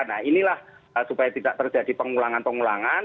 nah inilah supaya tidak terjadi pengulangan pengulangan